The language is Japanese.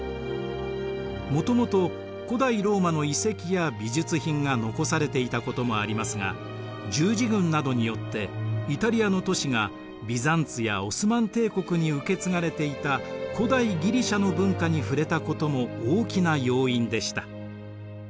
もともと古代ローマの遺跡や美術品が残されていたこともありますが十字軍などによってイタリアの都市がビザンツやオスマン帝国に受け継がれていた古代ギリシアの文化に触れたことも大きな要因でした。